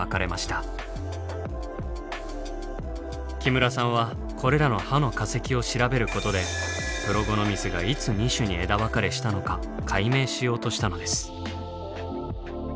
木村さんはこれらの歯の化石を調べることでプロゴノミスがいつ２種に枝分かれしたのか解明しようとしたのです。